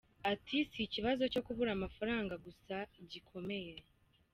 Ati :"Si ikibazo cyo kubura amafaranga gusa gikomeye.